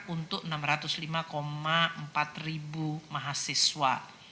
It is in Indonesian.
untuk enam ratus lima empat ribu mahasiswa